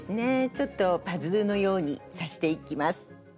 ちょっとパズルのように刺していきます。